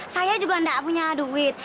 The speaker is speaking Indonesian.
saya juga tidak punya duit